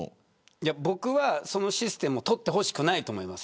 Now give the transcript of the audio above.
僕は、そのシステムを採ってほしくないと思います。